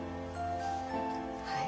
はい。